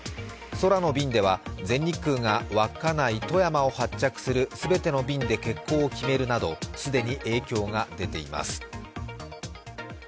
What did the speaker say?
空の便では全一空が稚内、富山を発着する全ての便で欠航を決めるなど既に影響が出ています。